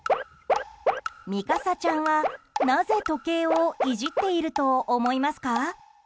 ミカサちゃんはなぜ、時計をいじっていると思いますか？